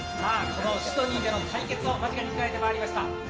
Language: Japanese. このシドニーでの対決を間近に控えてまいりました